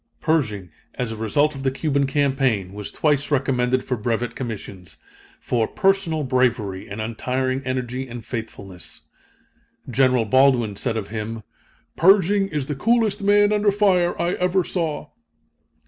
Pershing, as a result of the Cuban campaign, was twice recommended for brevet commissions, for "personal bravery and untiring energy and faithfulness." General Baldwin said of him: "Pershing is the coolest man under fire I ever saw."